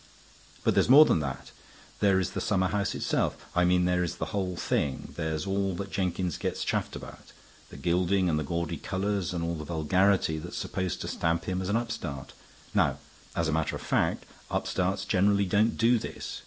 "But there is more than that. There is the summerhouse itself. I mean there is the whole thing. There's all that Jenkins gets chaffed about, the gilding and the gaudy colors and all the vulgarity that's supposed to stamp him as an upstart. Now, as a matter of fact, upstarts generally don't do this.